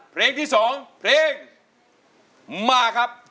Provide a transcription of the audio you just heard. เพลงที่๒เพลงมาครับ